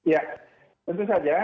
ya tentu saja